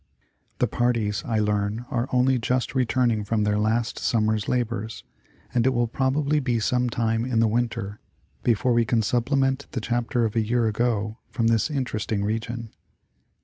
The parties, I learn, are only just returning from their last summer's labors, and it will probably be some time in the winter before we can supplement the chapter of a year ago from this interesting region.